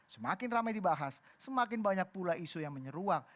semakin ramai dibahas semakin banyak pula isu yang menyeruang